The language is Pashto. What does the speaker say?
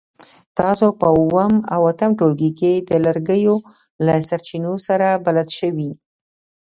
تاسو په اووم او اتم ټولګي کې د لرګیو له سرچینو سره بلد شوي.